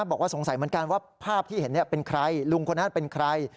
บอกว่าสงสัยเหมือนกันว่าภาพที่เห็นเป็นใครลุงคนนั้นเป็นใคร